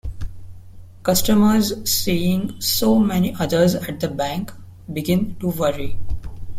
Customers, seeing so many others at the bank, begin to worry.